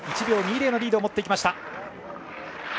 １秒２０のリードを持って行きました。